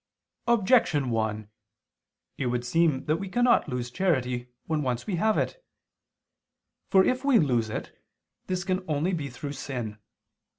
Objection 1: It would seem that we cannot lose charity when once we have it. For if we lose it, this can only be through sin.